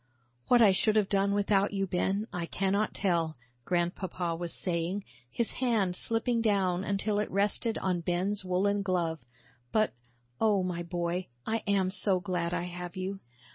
"What I should have done without you, Ben, I cannot tell," Grandpapa was saying, his hand slipping down until it rested on Ben's woollen glove, "but, oh, my boy, I am so glad I have you."